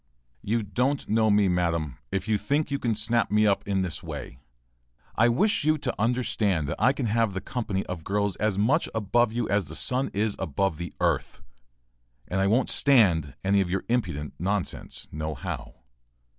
] You don't know me, madam, if you think you can snap me up in this way. I wish you to understand that I can have the company of girls as much above you as the sun is above the earth, and I won't stand any of your impudent nonsense no how.